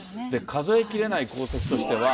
数えきれない功績としては。